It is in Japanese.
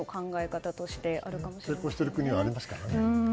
成功してる国はありますからね。